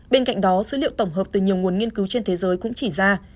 bên cạnh đó số liệu tổng hợp từ nhiều nguồn nghiên cứu trên thế giới cũng chỉ ra